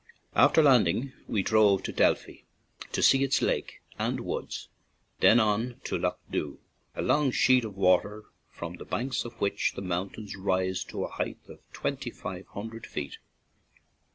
After landing we drove to Delphi to see its lake and woods; then on to Lough Dhu, a long sheet of water from the banks of which the mountains rise to a height of twenty five hundred feet.